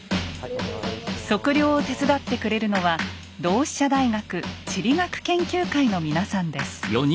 測量を手伝ってくれるのは同志社大学地理学研究会の皆さんです。